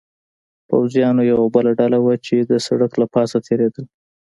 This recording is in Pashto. پوځیانو یوه بله ډله وه، چې د سړک له پاسه تېرېدل.